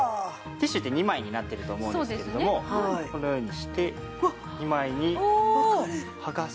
ティッシュって２枚になってると思うんですけれどもこのようにして２枚にはがす事もできるぐらい乾いてる。